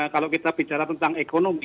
kalau kita bicara tentang ekonomi